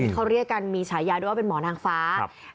เขาเรียกกันมีฉายาด้วยว่าเป็นหมอนางฟ้า